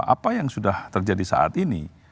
apa yang sudah terjadi saat ini